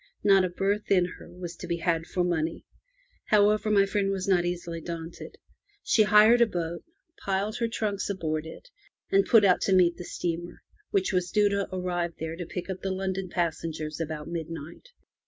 Not a berth in her was to be had for money. However, my friend was not easily daunted. She hired a boat, piled her trunks aboard it, and put out to meet the steamer, which was due to arrive there to pick up the London passengers about midnight.